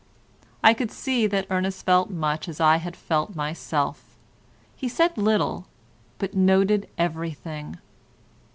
I could see that Ernest felt much as I had felt myself. He said little, but noted everything.